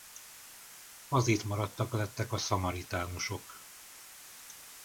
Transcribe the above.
Az itt maradtak lettek a szamaritánusok.